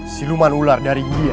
siluman ular dari india